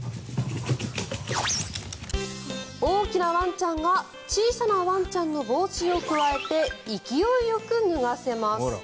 大きなワンちゃんが小さなワンちゃんの帽子をくわえて勢いよく脱がせます。